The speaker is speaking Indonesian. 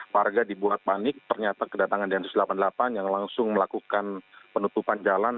warga dibuat panik ternyata kedatangan densus delapan puluh delapan yang langsung melakukan penutupan jalan